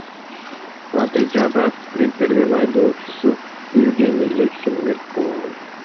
Натыйжада Спринтердин айдоочусу Евгений Лексин мерт болгон.